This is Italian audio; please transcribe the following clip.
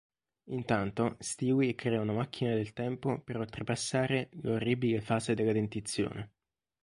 Intanto Stewie crea una macchina del tempo per oltrepassare "l'orribile fase della dentizione".